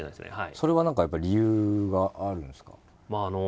それは何かやっぱり理由があるんですか？